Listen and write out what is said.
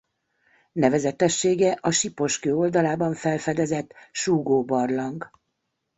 Nevezetessége a Sipos-kő oldalában felfedezett Súgó-barlang.